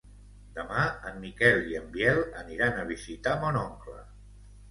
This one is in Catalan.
Demà en Miquel i en Biel aniran a visitar mon oncle.